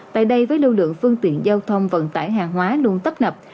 tại đây với lưu lượng phương tiện giao thông vận tải hàng hóa luôn tấp nập